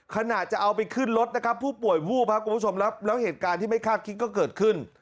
ขณะจะเอาไปขึ้นรถนะครับผู้ป่วยวูบครับคุณผู้ชมแล้วเหตุการณ์ที่ไม่คาดคิดก็เกิดขึ้น